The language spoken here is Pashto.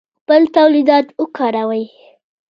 خپل تولیدات وکاروئ